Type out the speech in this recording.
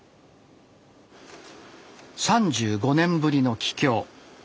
３５年ぶりの帰郷。